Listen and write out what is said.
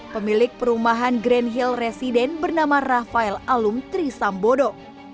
pemilik perumahan grand hill residen bernama rafael aluntri sambodo